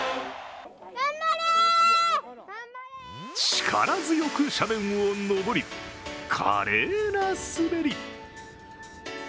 力強く斜面を上り、華麗な滑り。